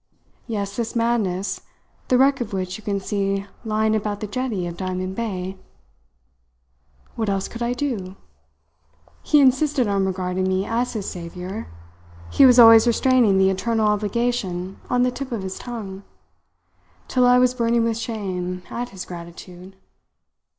Yes, this madness, the wreck of which you can see lying about the jetty of Diamond Bay. What else could I do? He insisted on regarding me as his saviour; he was always restraining the eternal obligation on the tip of his tongue, till I was burning with shame at his gratitude.